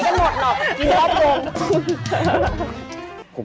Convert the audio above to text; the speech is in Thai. กินกาสโกง